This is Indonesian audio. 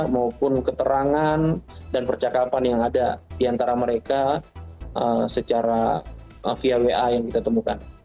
maupun keterangan dan percakapan yang ada di antara mereka secara via wa yang kita temukan